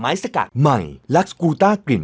โรยชาบไซซ์เท้าชิ้น